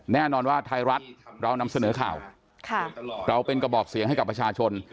แน่นอนว่าไทยรัฐเรานำเสนอข่าวเราเป็นกระบอกเสียงให้กับประชาชน